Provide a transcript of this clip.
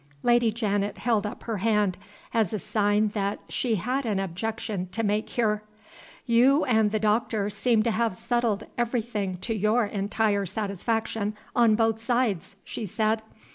Lady Janet held up her hand as a sign that she had an objection to make here. "You and the doctor seem to have settled everything to your entire satisfaction on both sides," she said.